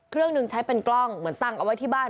เครื่องหนึ่งใช้เป็นกล้องเหมือนตั้งเอาไว้ที่บ้าน